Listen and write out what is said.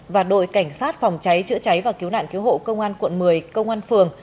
và đội cảnh sát phòng cháy chữa cháy và cứu nạn cứu hộ công an quận một mươi công an phường